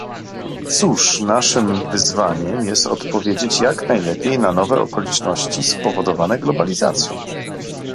Cóż, naszym wyzwaniem jest odpowiedzieć jak najlepiej na nowe okoliczności spowodowane globalizacją